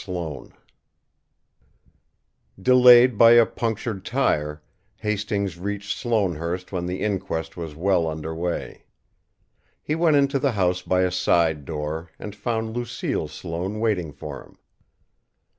SLOANE Delayed by a punctured tire, Hastings reached Sloanehurst when the inquest was well under way. He went into the house by a side door and found Lucille Sloane waiting for him.